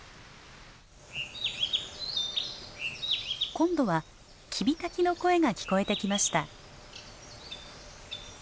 今度はキビタキの声が聞こえてきました。